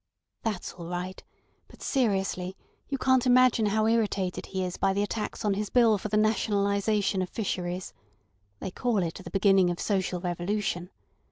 "That's all right. But seriously, you can't imagine how irritated he is by the attacks on his Bill for the Nationalisation of Fisheries. They call it the beginning of social revolution.